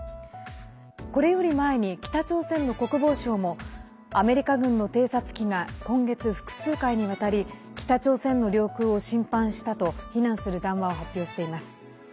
これより前に北朝鮮の国防省もアメリカ軍の偵察機が今月、複数回にわたり北朝鮮の領空を侵犯したと非難する談話を発表しています。